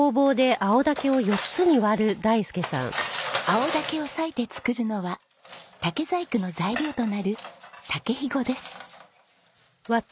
青竹を裂いて作るのは竹細工の材料となる竹ひごです。